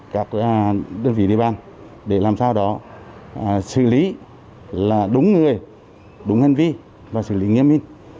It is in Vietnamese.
các đơn vị địa bàn để làm sao đó xử lý là đúng người đúng hành vi và xử lý nghiêm minh